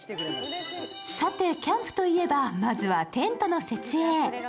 さてキャンプといえば、まずはテントの設営。